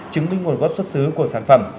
chứng minh nguồn góp xuất xứ của sản phẩm